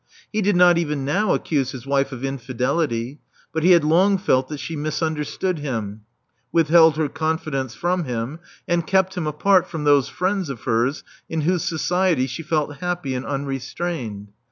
He did not even now accuse his wife of infidelity ; but he had long felt that she misunderstood him ; withheld her confidence from him ; and kept him apart from those friends of hers in whose society she felt happy and unrestrained.